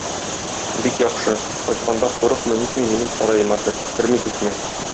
Бик яхшы, кайтканда курыкмый-нитми минем сараема кер, керми китмә.